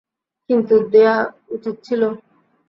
কিন্তু দেয়া উচিৎ ছিল।